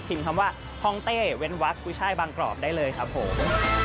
พิมพ์คำว่าท้องเต้เว้นวัดกุชัยบางกรอบได้เลยครับผม